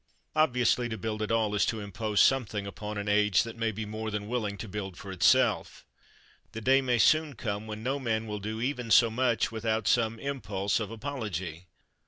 Obviously, to build at all is to impose something upon an age that may be more than willing to build for itself. The day may soon come when no man will do even so much without some impulse of apology.